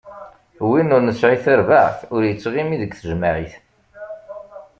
Win ur nesɛi tarbaɛt, ur ittɣimi deg tejmaɛit.